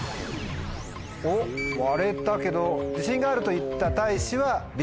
割れたけど「自信がある」と言ったたいしはＢ。